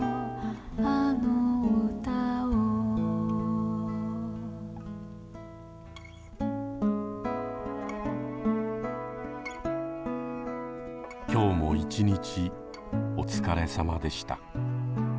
あのうたを今日も一日お疲れさまでした。